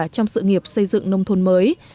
trong sự nghiệp xây dựng nông thôn mới